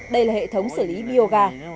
đây là hệ thống xử lý bioga